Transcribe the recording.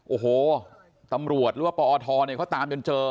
โอ้โหตำรวจหรือว่าปอทเนี่ยเขาตามจนเจอ